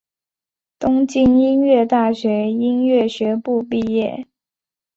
东京音乐大学音乐学部毕业。